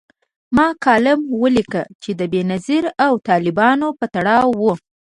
ما کالم ولیکه چي د بېنظیر او طالبانو په تړاو و